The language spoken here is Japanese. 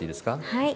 はい。